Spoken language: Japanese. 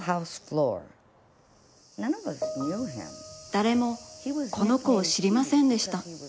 だれも、この子をしりませんでした。